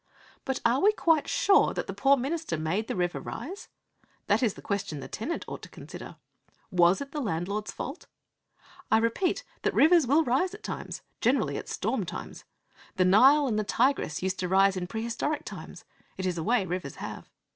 But are we quite sure that the poor minister made the river rise? That is the question the tenant ought to consider. Was it the landlord's fault? I repeat that rivers will rise at times, generally at storm times. The Nile and the Tigris used to rise in prehistoric times. It is a way rivers have.